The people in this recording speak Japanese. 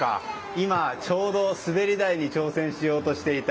今、ちょうど滑り台に挑戦しようとしていた。